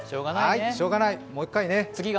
しようがない、もう一回ね。